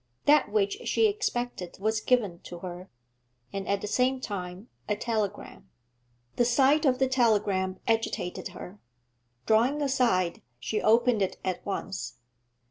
That which she expected was given to her, and at the same time a telegram. The sight of the telegram agitated her. Drawing aside, she opened it at once.